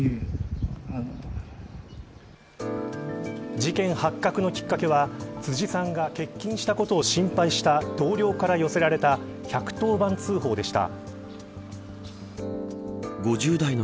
事件発覚のきっかけは辻さんが欠勤したことを心配した同僚から寄せられた１１０番通報でした。